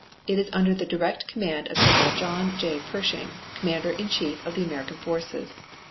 It is under the direct command of General John J. Pershing, Commander in Chief of the American forces.